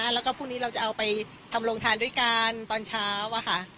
แล้วก็พรุ่งนี้เราจะเอาไปทำโรงทานด้วยกันตอนเช้าอะค่ะ